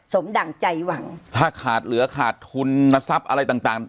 ดั่งใจหวังถ้าขาดเหลือขาดทุนทรัพย์อะไรต่างต่าง